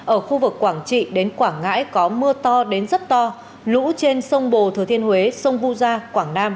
ở khu vực quảng trị đến quảng ngãi có mưa to đến rất to lũ trên sông bồ thừa thiên huế sông vu gia quảng nam